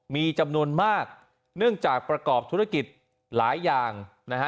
มีจำนวนมากเนื่องจากประกอบธุรกิจหลายอย่างนะฮะ